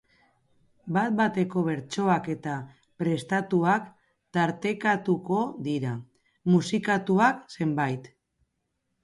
Bat-bateko bertsoak eta prestatuak tartekatuko dira, musikatuak zenbait.